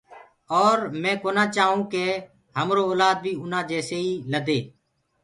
اَور همين ڪونآ چآهوآن ڪي همرو اولآد بيٚ اُنآن جيسيئيٚ لدي۔